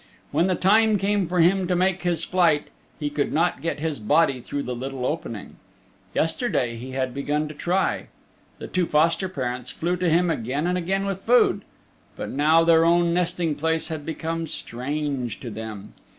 When the time came for him to make his flight he could not get his body through the little opening. Yesterday he had begun to try. The two foster parents flew to him again and again with food. But now their own nesting place had become strange to them.